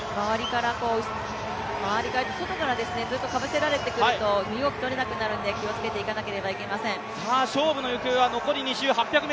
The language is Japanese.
周りから、外からずっとかぶせられていくと身動き取れなくなるんで気をつけていかなければいけません。